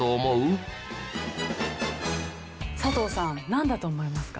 佐藤さんなんだと思いますか？